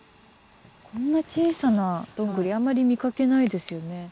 こんな小さなどんぐりあんまり見かけないですよね。